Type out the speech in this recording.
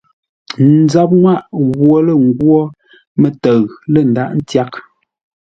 Nzap-nŋwâʼ ghwo lə́ nghwó mə́təʉ lə́ ndághʼ ntyághʼ.